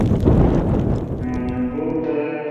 আর, সেটা পূরণ করতে খুব ইচ্ছা লাগে।